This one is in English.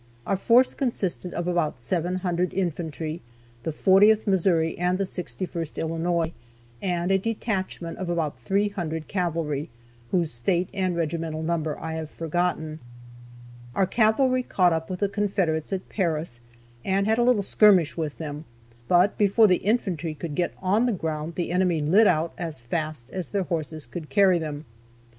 Our force consisted of about 700 infantry, the 40th Missouri and the 61st Illinois, and a detachment of about 300 cavalry, whose state and regimental number I have forgotten. Our cavalry caught up with the Confederates at Paris, and had a little skirmish with them, but before the infantry could get on the ground the enemy lit out as fast as their horses could carry them.